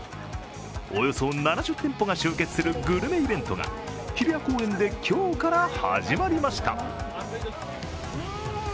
およそ７０店舗が集結するグルメイベントが日比谷公園で今日から始まりました。